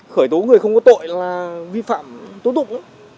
khởi tố người không có tội là vi phạm tố tụng